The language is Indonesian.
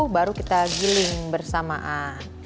baru kita giling bersamaan